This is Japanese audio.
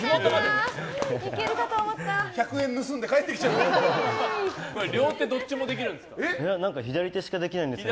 １００円盗んで帰ってきちゃったよ。